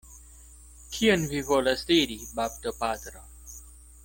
Kion vi volas diri, baptopatro?